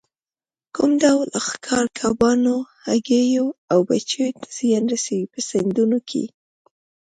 کوم ډول ښکار کبانو، هګیو او بچیو ته زیان رسوي په سیندونو کې.